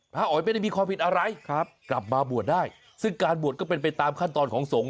อ๋อยไม่ได้มีความผิดอะไรครับกลับมาบวชได้ซึ่งการบวชก็เป็นไปตามขั้นตอนของสงฆ